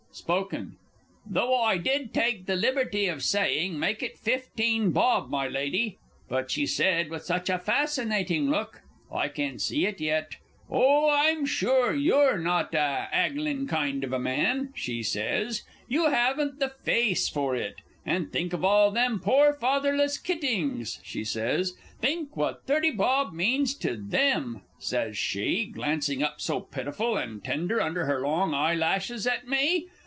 Spoken Though I did take the liberty of saying: "Make it fifteen bob, my lady!" But she said, with such a fascinating look I can see it yet! "Oh, I'm sure you're not a 'aggling kind of a man," she says, "you haven't the face for it. And think of all them pore fatherless kittings," she says; "think what thirty bob means to them!" says she, glancing up so pitiful and tender under her long eyelashes at me.